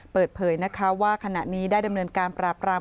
เปิดเผยนะคะว่าขณะนี้ได้ดำเนินการปราบราม